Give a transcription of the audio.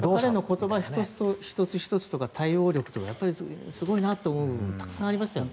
言葉１つ１つとか対応力とかすごいなと思うところがたくさんありましたよね。